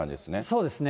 そうですね。